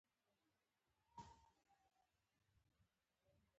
د اتکا تر نقطې پورې فاصله مهمه ده.